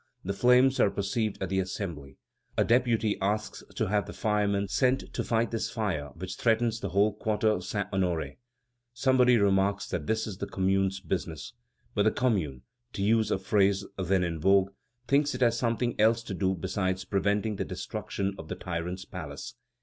The flames are perceived at the Assembly. A deputy asks to have the firemen sent to fight this fire which threatens the whole quarter Saint Honoré. Somebody remarks that this is the Commune's business. But the Commune, to use a phrase then in vogue, thinks it has something else to do besides preventing the destruction of the tyrant's palace.